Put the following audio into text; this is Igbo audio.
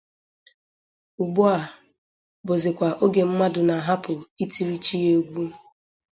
Ugbu a bụzịkwa oge mmadụ na-ahapụ itiri Chi ya egwu